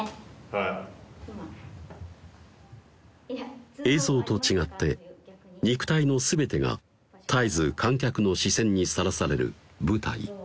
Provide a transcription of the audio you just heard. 「はい」映像と違って肉体の全てが絶えず観客の視線にさらされる舞台